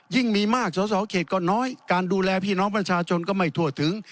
มีมากสอสอเขตก็น้อยการดูแลพี่น้องประชาชนก็ไม่ทั่วถึง